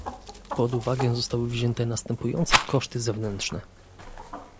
Pod uwagę zostały wzięte następujące koszty zewnętrzne